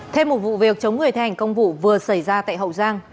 thêm một vụ việc chống người thành công vụ vừa xảy ra tại hậu giang